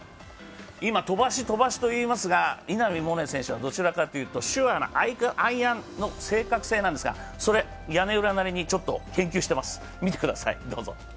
今、飛ばし飛ばしと言いますが稲見萌寧選手はどちらかというとアイアンの正確性なんですが、屋根裏なりにちょっと研究しています。